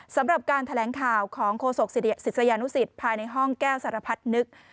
สำหรับการแถลงข่าวของโฆษกศิษยานุสิตภายในห้องแก้วสารพัฒนึก